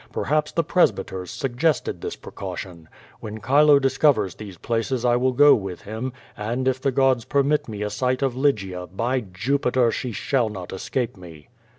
Perhaps the presbyters suggested this precaution. When Chilo discovers these places 1 will go with him, and if the gods permit me a sight of Lygia, by Jupiter! she shall not escape me.